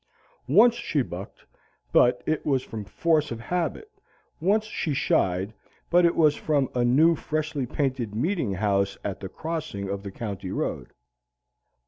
Once she bucked, but it was from force of habit; once she shied, but it was from a new freshly painted meeting house at the crossing of the county road.